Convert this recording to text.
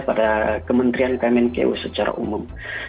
pada kementrian kmnku secara umum